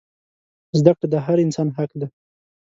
زده کړه د هر انسان حق دی.